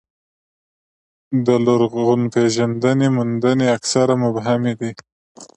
د لرغونپېژندنې موندنې اکثره مبهمې دي.